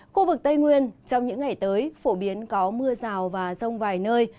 khu vực tây nguyên trong những ngày tới phổ biến có mưa rào và rông vài nơi